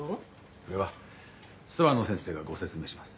それは諏訪野先生がご説明します。